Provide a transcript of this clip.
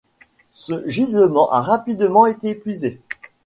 Ce gisement a rapidement été épuisé.